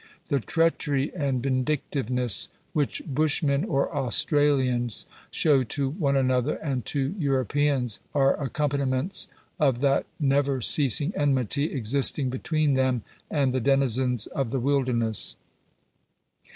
The treachery and vindictivene88 which Bushmen or Australians show to one another and to Europeans, are accompaniments of that never ceasing enmity existing between them and the denizens of the wilderness.